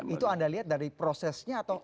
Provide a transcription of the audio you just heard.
itu anda lihat dari prosesnya atau